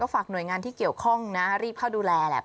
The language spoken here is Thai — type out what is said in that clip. ฝากหน่วยงานที่เกี่ยวข้องนะรีบเข้าดูแลแหละ